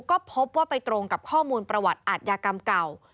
ก็พบว่าไปตรงกับข้อมูลประวัติอาทยากรรมเก่า